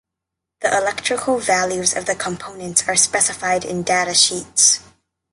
The electrical values of the components are specified in data sheets.